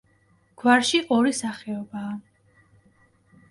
გვარში ორი სახეობაა.